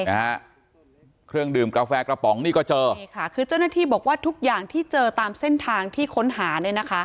นะฮะเครื่องดื่มกาแฟกระป๋องนี่ก็เจอใช่ค่ะคือเจ้าหน้าที่บอกว่าทุกอย่างที่เจอตามเส้นทางที่ค้นหาเนี่ยนะคะ